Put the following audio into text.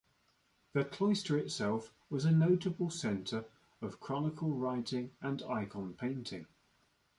The cloister itself was a notable centre of chronicle-writing and icon painting.